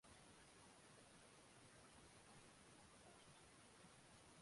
南海殿遗址的历史年代为卡约文化。